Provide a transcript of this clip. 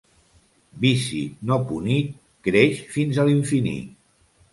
Vici no punit creix fins a l'infinit.